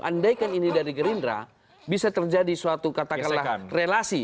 andaikan ini dari gerindra bisa terjadi suatu katakanlah relasi